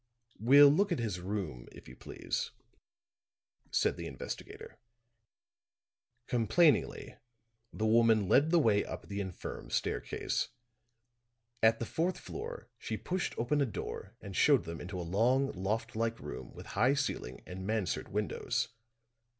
"We'll look at his room, if you please," said the investigator. Complainingly, the woman led the way up the infirm staircase. At the fourth floor she pushed open a door and showed them into a long loft like room with high ceiling and mansard windows.